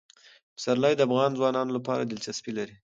پسرلی د افغان ځوانانو لپاره دلچسپي لري.